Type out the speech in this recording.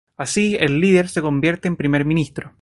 Así, el líder se convierte en Primer Ministro.